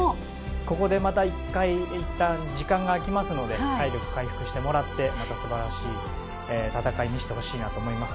ここでいったん時間が空きますので体力回復してもらってまた素晴らしい戦いを見せてほしいと思います。